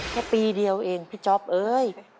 แค่ปีเดียวเองพี่จ๊อปเอ้ย